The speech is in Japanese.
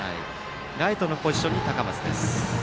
ライトのポジションに高松です。